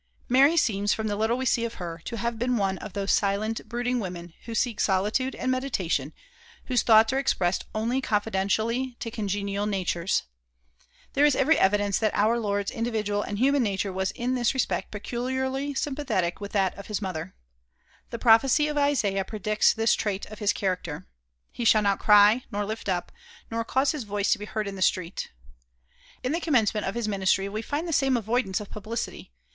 Mary seems, from the little we see of her, to have been one of those silent, brooding women who seek solitude and meditation, whose thoughts are expressed only confidentially to congenial natures. There is every evidence that our Lord's individual and human nature was in this respect peculiarly sympathetic with that of his mother. The prophecy of Isaiah predicts this trait of his character: "He shall not cry, nor lift up, nor cause his voice to be heard in the street." In the commencement of his ministry we find the same avoidance of publicity.